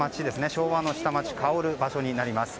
昭和の下町香る場所になります。